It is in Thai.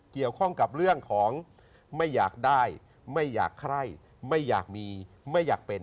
เกี่ยวข้องกับเรื่องของไม่อยากได้ไม่อยากใครไม่อยากมีไม่อยากเป็น